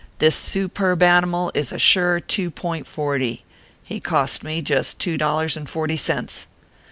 " this superb animal is a sure 2.40 he cost me just Two dollars and Forty cents.